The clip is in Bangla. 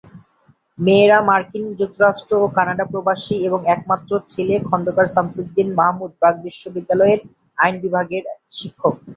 মেয়েরা মার্কিন যুক্তরাষ্ট্র ও কানাডা প্রবাসী এবং একমাত্র ছেলে খন্দকার শামসুদ্দিন মাহমুদ ব্র্যাক বিশ্ববিদ্যালয়ের আইন বিভাগের শিক্ষক।